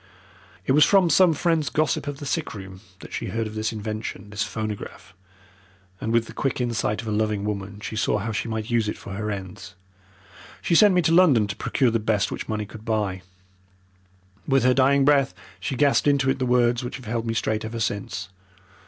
"It was from some friend's gossip of the sick room that she heard of this invention this phonograph and with the quick insight of a loving woman she saw how she might use it for her ends. She sent me to London to procure the best which money could buy. With her dying breath she gasped into it the words which have held me straight ever since.